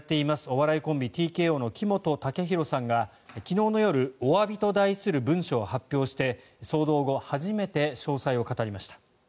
お笑いコンビ、ＴＫＯの木本武宏さんが昨日の夜おわびと題する文書を発表して騒動後初めて詳細を語りました。